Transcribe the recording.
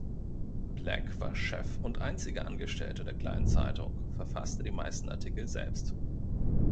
Black war Chef und einziger Angestellter der kleinen Zeitung, verfasste die meisten Artikel selbst.